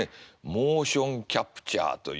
モーションキャプチャーというですね。